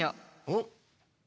おっ！